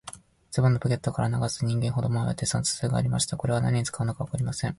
ズボンのポケットからは、長さ人間ほどもある、鉄の筒がありました。これは何に使うのかわかりません。